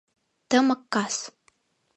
Тымык кас.